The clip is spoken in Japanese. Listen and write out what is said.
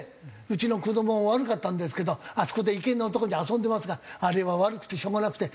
「うちの子どもは悪かったんですけどあそこで池のとこで遊んでますがあれは悪くてしょうがなくて。